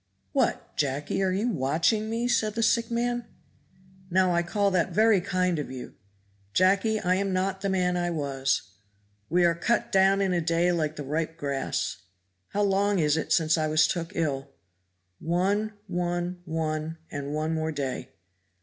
"What, Jacky, are you watching me?" said the sick man. "Now I call that very kind of you. Jacky, I am not the man I was we are cut down in a day like the ripe grass. How long is it since I was took ill?" "One, one, one, and one more day."